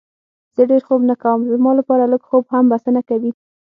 زه ډېر خوب نه کوم، زما لپاره لږ خوب هم بسنه کوي.